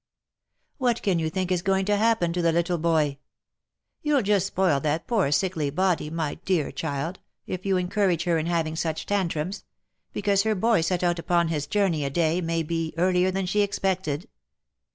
What can you think is going to happen to the little boy ? You'll just spoil that poor sickly body, my dear child, if you encourage her in having such tantrums, because her boy set out upon his journey a day, may be, earlier than she expected."